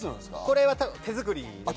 これは、手作りです。